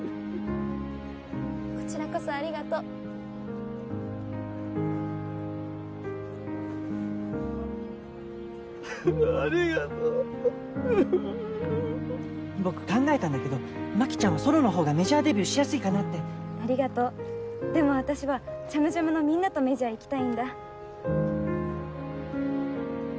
こちらこそありがとうありがとう僕考えたんだけど眞妃ちゃんはソロのほうがメジャーデビューしやすいかなってありがとうでも私はＣｈａｍＪａｍのみんなとメジャーいきたいんだ